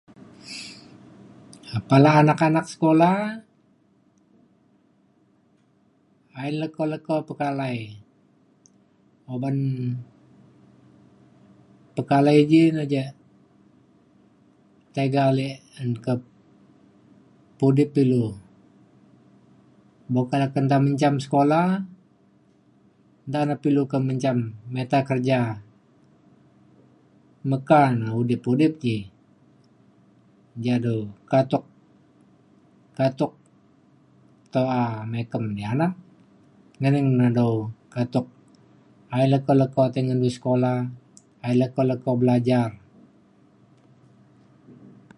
um pala anak anak sekula ayen leko leko pekalai uban pekalai ji na ja tiga ale un ka pudip ilu. buka le kenta menjam sekula nta pa ilu ke menjam mita kerja meka na udip udip ji. ja du katuk katuk toa me ekem ya anak. ngening na du katuk ayen leko leko ti ngen du sekula ayen leko leko belajar.